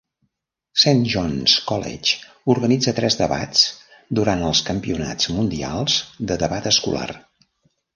Saint John's College organitza tres debats durant els Campionats mundials de debat escolar.